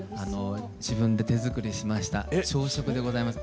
自分で手作りしました朝食でございます。